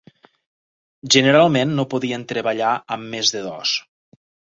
Generalment no podien treballar amb més de dos.